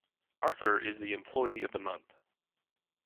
Arthur is the employee of the month.